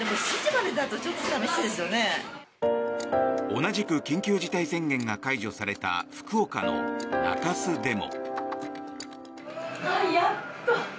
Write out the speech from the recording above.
同じく緊急事態宣言が解除された福岡の中洲でも。